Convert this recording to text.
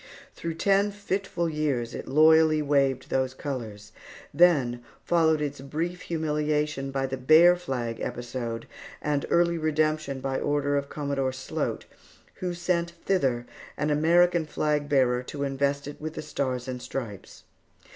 Through ten fitful years it loyally waved those colors; then followed its brief humiliation by the Bear Flag episode, and early redemption by order of Commodore Sloat, who sent thither an American flag bearer to invest it with the Stars and Stripes.